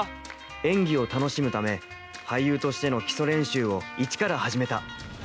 演技を楽しむため俳優としての基礎練習をイチから始めた